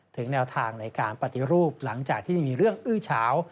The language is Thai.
แนวทางในการปฏิรูปหลังจากที่มีเรื่องอื้อเฉา